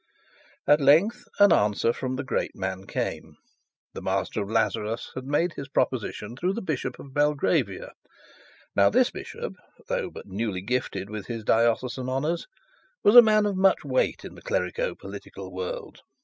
At length an answer from the great man came. The Master of Lazarus had made his proposition through the Bishop of Belgravia. Now the bishop, tough but newly gifted with his diocesan honours, was a man of much weight in the clerico political world.